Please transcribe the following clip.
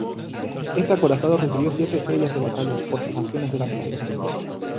Este acorazado recibió siete estrellas de batalla por sus acciones durante la guerra mundial.